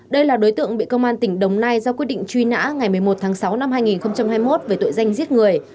đây là đối tượng bị công an tỉnh đồng nai ra quyết định truy nã ngày một mươi một tháng sáu năm hai nghìn hai mươi một về tội danh giết người